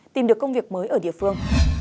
tìm được công việc mới ở địa phương